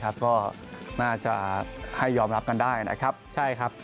ก็น่าจะให้ยอมรับกันได้นะครับใช่ครับ